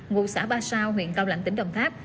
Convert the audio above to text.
ngụ xã ba sao huyện cao lãnh tỉnh đồng tháp